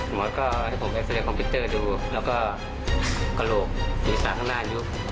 หมอก็ให้ผมขอมปิกเตอร์ดูแล้วก็กระโลกนิวาข้างหน้ายุบ